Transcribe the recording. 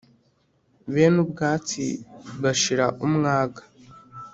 Bene ubwatsi bashira umwaga